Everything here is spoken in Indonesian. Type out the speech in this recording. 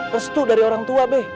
prestu dari orang tua be